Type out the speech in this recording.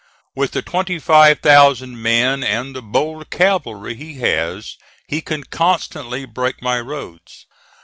With the twenty five thousand men, and the bold cavalry he has, he can constantly break my roads.